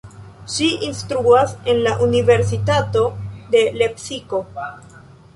Ŝi instruas en la Universitato de Lepsiko.